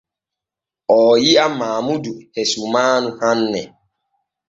Oo yi’a Maamudu e sumaanu hanne.